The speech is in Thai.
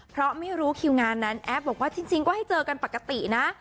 เพราะไม่รู้คิวงานนั้นแอฟบอกว่าจริงก็ให้เจอกันปกตินะ